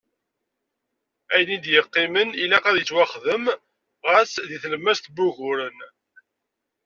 Ayen i d-yeqqimen ilaq ad yettwaxdem, ɣas di tlemmast n wuguren.